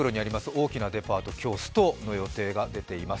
大きなデパート、今日、ストの情報が出ています。